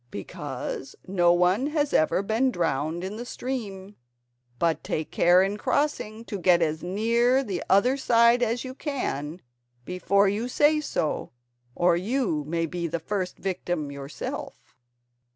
"Because no one has ever been drowned in the stream. But take care, in crossing, to get as near the other side as you can before you say so, or you may be the first victim yourself."